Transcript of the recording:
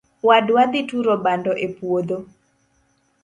Wadwa dhi turo bando e puodho